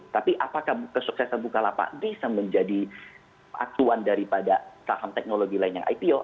tapi apakah kesuksesan bukalapak bisa menjadi aktuan daripada saham teknologi lain yang ipo